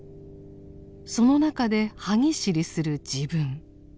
その中ではぎしりする自分。